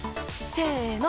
せの！